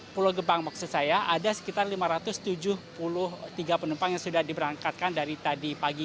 pulau gebang maksud saya ada sekitar lima ratus tujuh puluh tiga penumpang yang sudah diberangkatkan dari tadi pagi